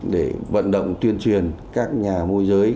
để vận động tuyên truyền các nhà mô giới